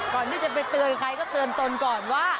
ก่อนที่จะไปเตือนใครก็เตือนตนก่อนว่า